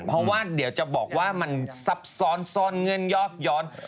เพราะว่าเดี๋ยวจะบอกว่ามันซับซ้อนเงินยอกย้อน